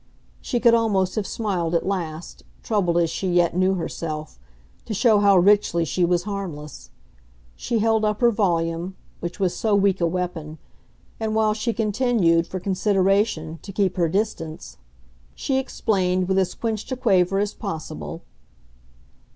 She could almost have smiled at last, troubled as she yet knew herself, to show how richly she was harmless; she held up her volume, which was so weak a weapon, and while she continued, for consideration, to keep her distance, she explained with as quenched a quaver as possible.